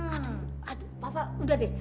aduh papa udah deh